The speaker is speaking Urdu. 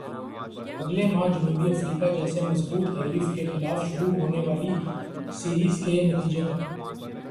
اگلے ماہ جنوبی افریقہ جیسے مضبوط حریف کے خلاف شروع ہونے والی سیریز کے نتیجے کا